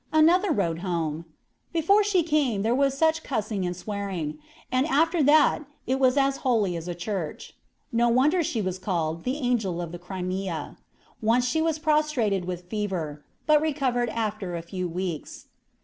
Another wrote home: "Before she came there was such cussin' and swearin', and after that it was as holy as a church." No wonder she was called the "Angel of the Crimea." Once she was prostrated with fever, but recovered after a few weeks.